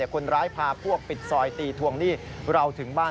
คนร้ายพาพวกปิดซอยตีทวงหนี้เราถึงบ้าน